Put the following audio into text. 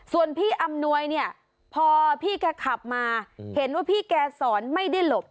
ส่วนพี่อำนวยเนี่ยพอพี่แกขับมาเห็นว่าพี่แกสอนไม่ได้หลบ